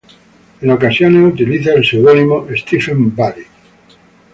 En ocasiones utiliza el seudónimo "Stephen Bury".